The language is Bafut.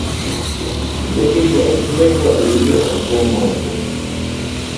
Bo bî mɔꞌɔ bɨ lɛtsù waꞌà yi nɨ̂ àbo mɔ̀ɔ̀ntə̀.